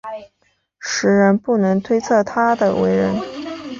时人不能推测他的为人。